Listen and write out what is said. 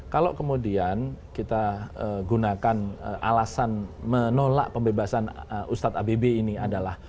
kalau kemudian kita gunakan alasan menolak pembebasan ustadz abb ini adalah